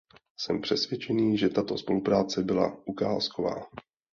Jsem přesvědčený, že tato spolupráce byla ukázková.